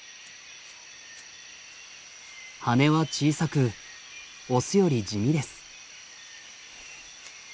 羽は小さくオスより地味です。